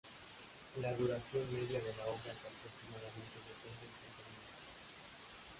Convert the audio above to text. La duración media de la obra es aproximadamente setenta y cinco minutos.